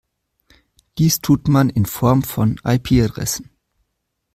Dies tut man in Form von IP-Adressen.